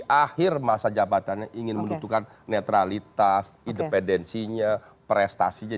saya yakin masa jabatannya ingin menentukan netralitas independensinya prestasinya